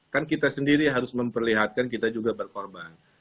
kan kita sendiri harus memperlihatkan kita juga berkorban